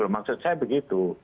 maksud saya begitu